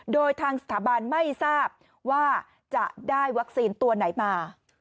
โดยทางสถาบันไม่ทราบว่าจะได้วัคซีนตัวไหนมา